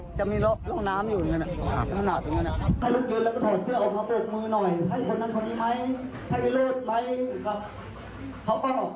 พี่น้องมันยามเหมือนกี่คนครับทุกครั้งการพี่น้องออกมาปลุกมือเห็นของพี่น้องมาเรียบไหร่นะครับ